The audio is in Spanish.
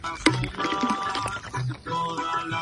Tuvo un gran apoyo de su Pro.